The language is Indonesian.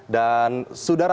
dan sudah ramai